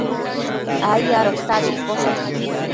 ai adota abi iccoshe